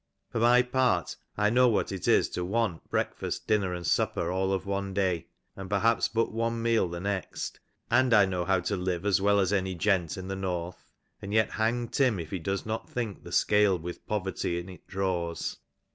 ' For mj part I know what it is to want breakfast, dinner and sup ^ per all of one day, and perhaps but one meal the next, and I know ^ how to live as well as any gent, in the north, and yet hang Tim if ' he does not think the scale with poverty in it draws."